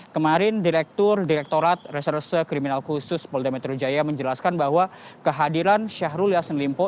kemarin direktur direktorat reserse kriminal khusus polda metro jaya menjelaskan bahwa kehadiran syahrul yassin limpo